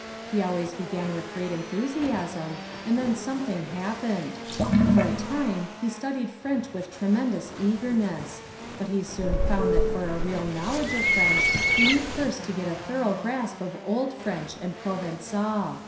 He always began with great enthusiasm and then something happened. For a time he studied French with tremendous eagerness. But he soon found that for a real knowledge of French you need first to get a thorough grasp of Old French and Provençal.